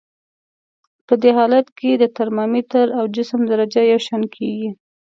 په دې حالت کې د ترمامتر او جسم درجه یو شان کیږي.